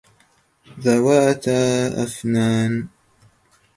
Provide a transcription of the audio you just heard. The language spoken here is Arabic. ذَوَاتَا أَفْنَانٍ